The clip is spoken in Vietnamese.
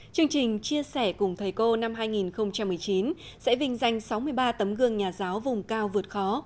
chương trình chia sẻ cùng thầy cô năm hai nghìn một mươi chín sẽ vinh danh sáu mươi ba tấm gương nhà giáo vùng cao vượt khó